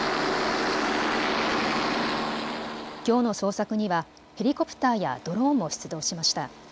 きょうの捜索にはヘリコプターやドローンも出動しました。